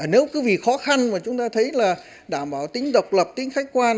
nếu cứ vì khó khăn mà chúng ta thấy là đảm bảo tính độc lập tính khách quan